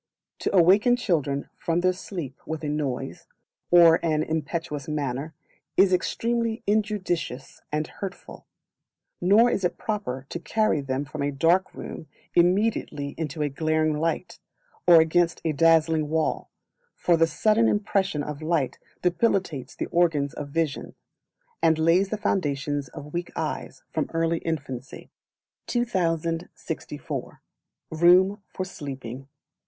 To awaken Children from their sleep with a noise, or in an impetuous manner, is extremely injudicious and hurtful; nor is it proper to carry them from a dark room immediately into a glaring light, or against a dazzling wall; for the sudden impression of light debilitates the organs of vision, and lays the foundation of weak eyes, from early infancy. 2064. Room for Sleeping.